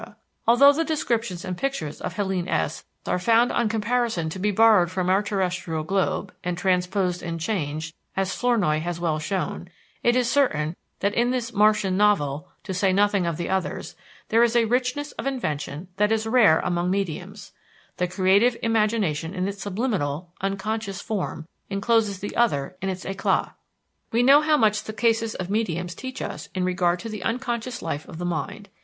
Although the descriptions and pictures of Helène S. are found on comparison to be borrowed from our terrestrial globe, and transposed and changed, as Flournoy has well shown, it is certain that in this "Martian novel," to say nothing of the others, there is a richness of invention that is rare among mediums: the creative imagination in its subliminal (unconscious) form encloses the other in its éclat. We know how much the cases of mediums teach us in regard to the unconscious life of the mind.